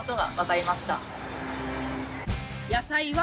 野菜は。